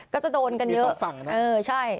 ก็จะโดนกันเยอะ